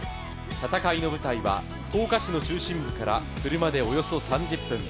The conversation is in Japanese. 戦いの舞台は福岡市の中心部から車でおよそ３０分。